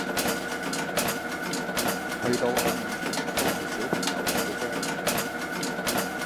去到我面前都係小朋友嚟嘅啫